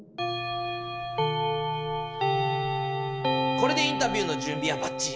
これでインタビューの準備はばっちり！